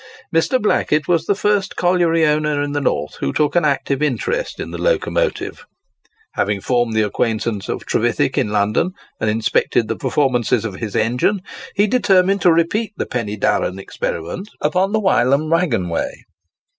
Mr. Blackett was the first colliery owner in the North who took an active interest in the locomotive. Having formed the acquaintance of Trevithick in London, and inspected the performances of his engine, he determined to repeat the Pen y darran experiment upon the Wylam waggon way.